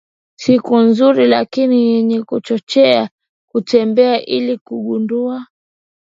siku nzuri lakini yenye kuchochea kutembea ili kugundua